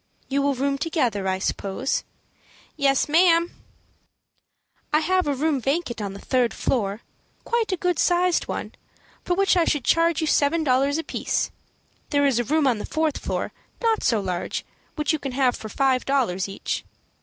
"You will room together, I suppose?" "Yes, ma'am." "I have a room vacant on the third floor, quite a good sized one, for which I should charge you seven dollars apiece. There is a room on the fourth floor, not so large, which you can have for five dollars each."